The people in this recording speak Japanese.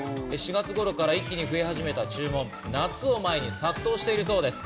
４月頃から一気に増え始めた注文、夏を前に殺到しているそうです。